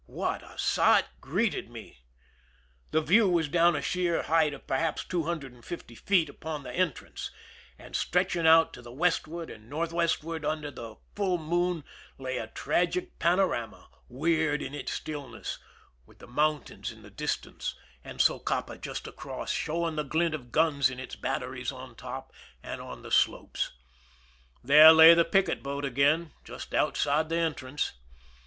What a sight greeted me ! The view was down a sheer height of perhaps two hundred and fifty feet upon the entrance, and stretching out to the westward and northwestward under the full moon lay a tragic panorama, Tveird in the stillness, with the mountains 173 THE SINKING OF THE "MERRIMAC" in the distance, and Socapa just across, showing the glint of guns in its batteries on top and on the slopes. There lay the picket boat again, just out side the entrance.